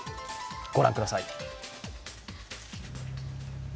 御覧ください。